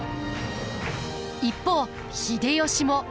一方秀吉も。